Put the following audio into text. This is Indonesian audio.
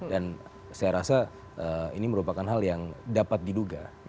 dan saya rasa ini merupakan hal yang dapat diduga